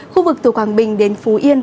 khu vực từ quảng bình đến phú yên